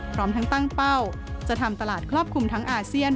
พร้อมทั้งตั้งเป้าจะทำตลาดครอบคลุมทั้งอาเซียน